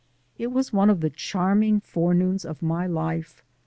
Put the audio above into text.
It was one of the charming forenoons of my life.